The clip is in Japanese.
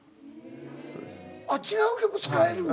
違う曲使えるんだ。